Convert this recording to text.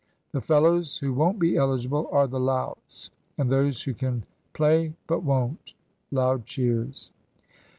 The fellows who won't be eligible are the louts, and those who can play but won't. (Loud cheers.)